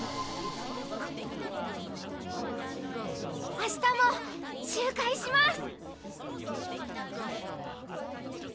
明日も集会します！